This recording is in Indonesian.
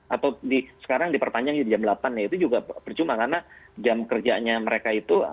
atau sekarang diperpanjang jadi jam delapan ya itu juga percuma karena jam kerjanya mereka itu